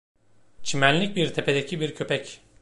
Çimenlik bir tepedeki bir köpek.